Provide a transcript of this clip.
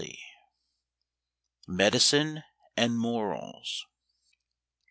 MEDICINE AND MORALS.